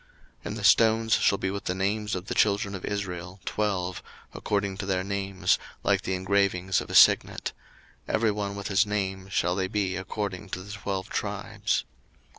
02:028:021 And the stones shall be with the names of the children of Israel, twelve, according to their names, like the engravings of a signet; every one with his name shall they be according to the twelve tribes.